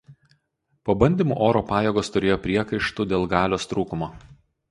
Po bandymų oro pajėgos turėjo priekaištų dėl galios trūkumo.